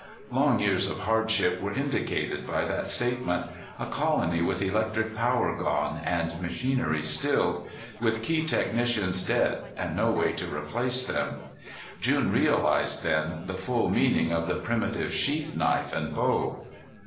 Long years of hardship were indicated by that statement, a colony with electric power gone and machinery stilled, with key technicians dead and no way to replace them. June realized then the full meaning of the primitive sheath knife and bow.